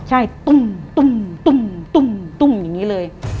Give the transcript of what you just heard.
ใช่ตุ้มอย่างนี้เลย